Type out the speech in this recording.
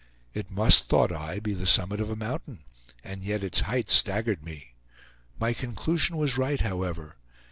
It must, thought I, be the summit of a mountain, and yet its heights staggered me. My conclusion was right, however.